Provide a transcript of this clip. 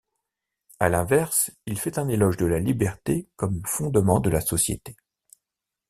À l'inverse, il fait un éloge de la liberté comme fondement de la société.